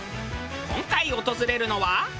今回訪れるのは。